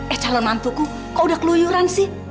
eh calon mantuku kok udah keluyuran sih